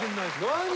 何？